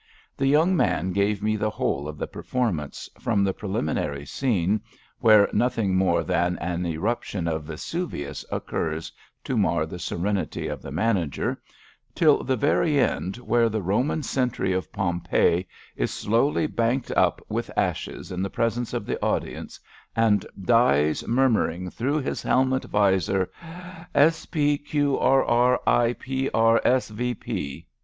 The young man gave me the whole of the performance, from the preliminary scene, where nothing more than an eruption of Vesuvius occurs to mar the serenity of the manager, till the very end, where 278 ABAFT THE FUNNEL the Eoman sentry of Pompeii is slowly banked up with ashes in the presence of the audience, and dies munnnring through his helmet vizor: ^* S.P. Q.E.E.LP.E.S.V.